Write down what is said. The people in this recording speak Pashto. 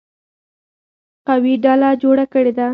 قوي ډله جوړه کړې ده.